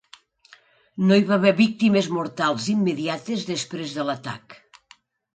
No hi va haver víctimes mortals immediates després de l'atac.